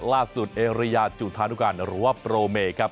ล่าสุดเอเรียจุธานุการณ์หรือว่าโปรเมย์ครับ